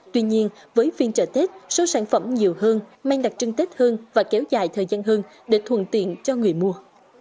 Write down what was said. tuy nhiên với phiên chợ tết số sản phẩm nhiều hơn mang đặc trưng tết hơn và kéo dài thời gian hơn để thuần tiện cho người mua